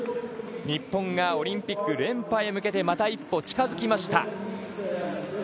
日本がオリンピック連覇へ向けてまた一歩近づきました。